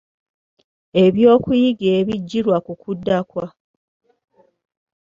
Ebyokuyiga ebiggirwa ku kudda kwa